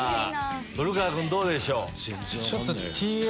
古川君どうでしょう？